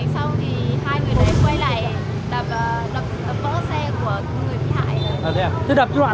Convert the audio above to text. sau khi đánh xong thì hai người đánh quay lại